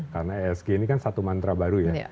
karena esg ini kan satu mantra baru ya